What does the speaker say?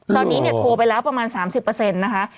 ตอนนี้เนี่ยโทรไปแล้วประมาณ๓๐นะคะ